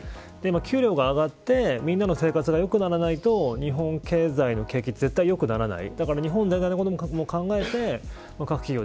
給料が上がってみんなの生活が良くならないと日本経済の景気が絶対よくならない。